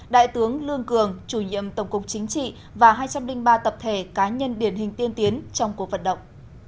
đại tướng lương cường chủ nhiệm tổng cục chính trị và hai trăm linh ba tập thể cá nhân điển hình tiên tiến trong cuộc vận động